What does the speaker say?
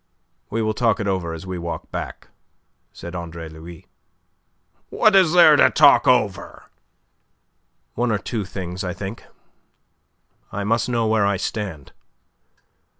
"We will talk it over as we walk back," said Andre Louis. "What is there to talk over?" "One or two things, I think. I must know where I stand.